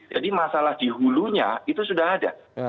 jadi masalah di hulunya itu sudah ada